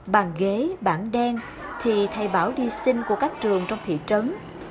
bàn ghế bảng đen thì thầy bảo đi sinh của các trường trong thị trấn